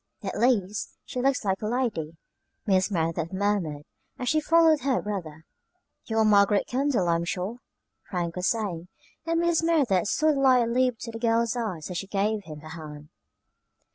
"At least she looks like a lady," Mrs. Merideth murmured, as she followed her brother. "You are Margaret Kendall, I am sure," Frank was saying; and Mrs. Merideth saw the light leap to the girl's eyes as she gave him her hand.